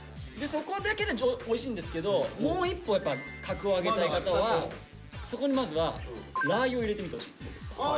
そこだけでおいしいんですけどもう一歩やっぱ格を上げたい方はそこにまずはラー油を入れてみてほしいです。